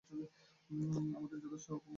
আমাদের যথেষ্ট অপমান করেছেন।